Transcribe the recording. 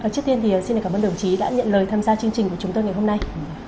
trước tiên thì xin cảm ơn đồng chí đã nhận lời tham gia chương trình của chúng tôi ngày hôm nay